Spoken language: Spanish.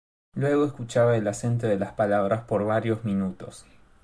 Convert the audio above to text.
Luego escuchaba el acento de las palabras por varios minutos.